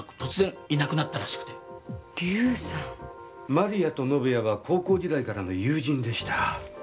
万里亜と宣也は高校時代からの友人でした。